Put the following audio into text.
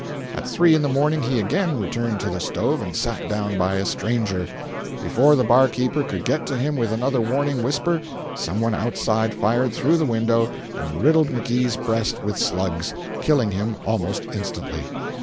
At three in the morning he again returned to the stove and sat down by a stranger. Before the bar keeper could get to him with another warning whisper, some one outside fired through the window and riddled McGee's breast with slugs, killing him almost instantly.